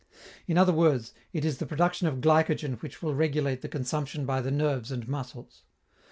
In other words, it is the production of glycogen which will regulate the consumption by the nerves and muscles.